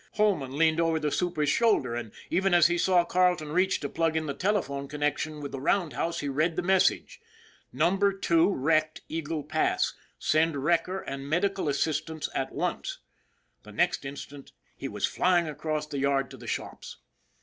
Holman leaned over the super's shoulder and even as he saw Carleton reach to plug in the telephone connection with the roundhouse, he read the message :" Number Two wrecked Eagle Pass. Send wrecker and medical assistance at once." The next instant he was flying across the yard to the shops.